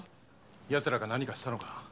やつらが何かしたのか？